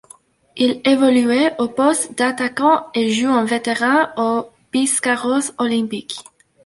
Il évoluait au poste d'attaquant et joue en vétérans au Biscarrosse Olympique.